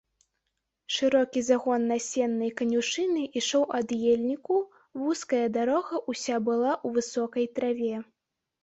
Шырокі загон насеннай канюшыны ішоў ад ельніку, вузкая дарога ўся была ў высокай траве.